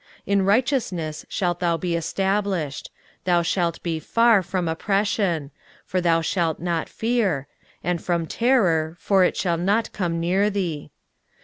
23:054:014 In righteousness shalt thou be established: thou shalt be far from oppression; for thou shalt not fear: and from terror; for it shall not come near thee.